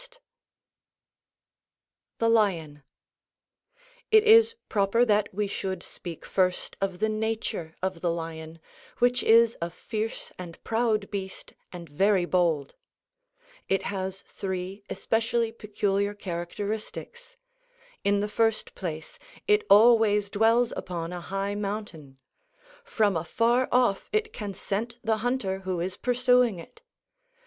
[Illustration: Signature: L. OSCAR KUHNS] THE LION It is proper that we should first speak of the nature of the lion, which is a fierce and proud beast and very bold. It has three especially peculiar characteristics. In the first place it always dwells upon a high mountain. From afar off it can scent the hunter who is pursuing it.